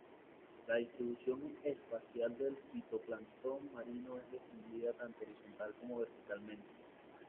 La distribución espacial del fitoplancton marino es restringida tanto horizontal como verticalmente.